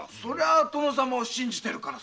殿様を信じてるからさ。